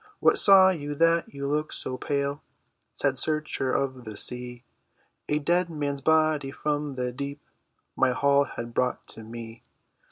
"What saw you that you look so pale, Sad searcher of the sea?" "A dead man's body from the deep My haul had brought to me!"